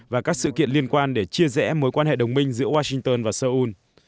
và các sự kiện liên quan để chia rẽ mối quan hệ đồng minh giữa washington và seoul